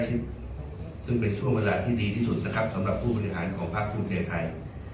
ที่ได้ได้สู่ที่เป็นความสุ่มมั่นใดที่สุดสำหรับผู้บริหารของพระคุมเจย์ไทย